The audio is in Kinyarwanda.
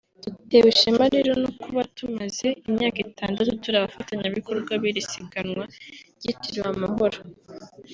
Dutewe ishema rero no kuba tumaze imyaka itandatu turi abafatanyabikorwa b’iri siganwa ryitiriwe Amahoro